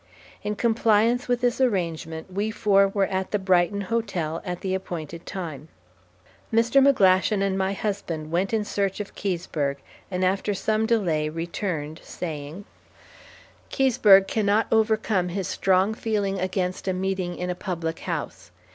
In compliance with this arrangement we four were at the Brighton hotel at the appointed time. Mr. McGlashan and my husband went in search of Keseberg, and after some delay returned, saying: "Keseberg cannot overcome his strong feeling against a meeting in a public house.